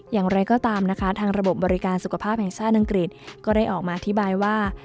อย่างไรก็ตามนะคะทางระบบบริการสุขภาพแห่งชาติอังกฤษก็ได้ออกมาอธิบายว่า